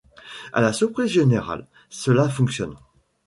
À la surprise générale, cela fonctionne.